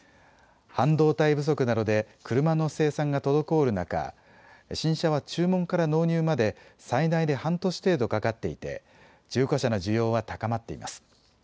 半導体不足などで車の生産が滞る中、新車は注文から納入まで最大で半年程度かかっていて中古車の需要は高まっています。